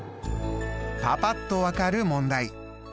パパっと分かる問題。